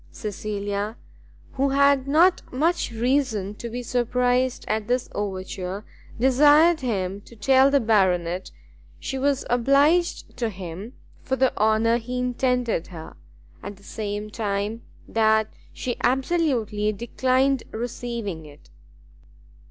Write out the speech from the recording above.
Cecilia, who had not much reason to be surprised at this overture, desired him to tell the Baronet, she was obliged to him for the honour he intended her, at the same time that she absolutely declined receiving it.